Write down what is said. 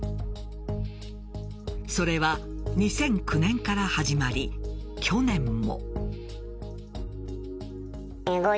それは２００９年から始まり去年も。